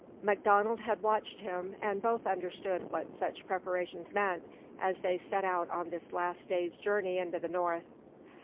MacDonald had watched him, and both understood what such preparations meant as they set out on this last day's journey into the North.